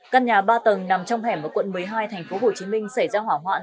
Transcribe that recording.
căn nhà ba tầng nằm trong hẻm ở quận một mươi hai tp hcm xảy ra hỏa hoạn